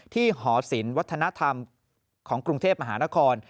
หอศิลปวัฒนธรรมของกรุงเทพมหานคร